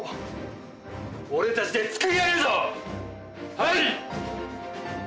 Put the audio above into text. はい！